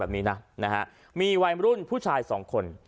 มีวัยโบรุณผู้ชายสองคน